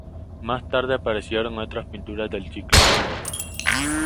Más tarde aparecieron otras pinturas del ciclo.